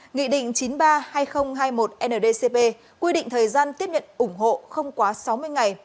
nghị định chín mươi ba hai nghìn hai mươi một ndcp quy định thời gian tiếp nhận ủng hộ không quá sáu mươi ngày